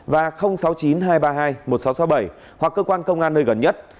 và sáu mươi chín hai trăm ba mươi hai một nghìn sáu trăm sáu mươi bảy hoặc cơ quan công an nơi gần nhất